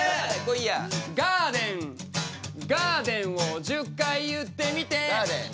ガーデンガーデンを１０回言ってみてガーデン？